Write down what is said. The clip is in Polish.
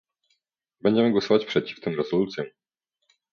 Będziemy głosować przeciw tym rezolucjom